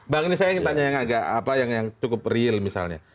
bang ini saya ingin tanya yang cukup real misalnya